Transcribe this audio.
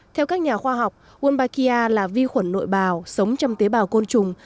theo các nhà khoa học wonbakia là vi khuẩn nội bào sống trong tế bào côn trùng